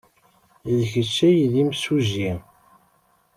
D kečč ay d imsujji.